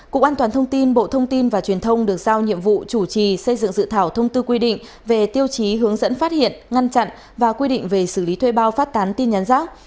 cục an toàn thông tin bộ thông tin và truyền thông được giao nhiệm vụ chủ trì xây dựng dự thảo thông tư quy định về tiêu chí hướng dẫn phát hiện ngăn chặn và quy định về xử lý thuê bao phát tán tin nhắn rác